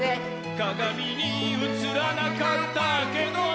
「かがみにうつらなかったけど」